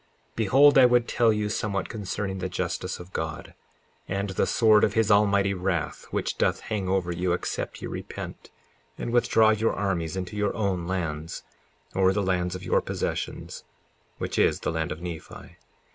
54:6 Behold, I would tell you somewhat concerning the justice of God, and the sword of his almighty wrath, which doth hang over you except ye repent and withdraw your armies into your own lands, or the land of your possessions, which is the land of Nephi.